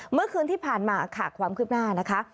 เมื่อคืนที่ผ่านมาค่ะความคืบหน้านะคะ